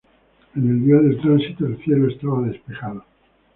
En el día del tránsito, el cielo estaba despejado.